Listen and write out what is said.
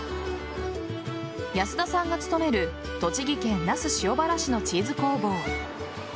安田さんが勤める栃木県那須塩原市のチーズ工房。